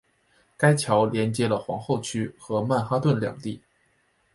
该桥连接了皇后区和曼哈顿两地。